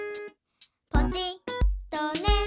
「ポチッとね」